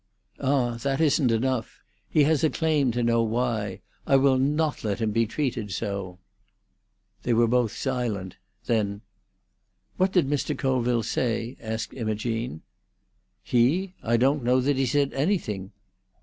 "Ah! that isn't enough. He has a claim to know why. I will not let him be treated so." They were both silent. Then, "What did Mr. Colville say?" asked Imogene. "He? I don't know that he said anything.